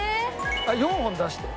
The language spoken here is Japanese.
４本出して。